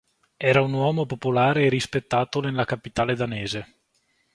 Era un uomo popolare e rispettato nella capitale danese.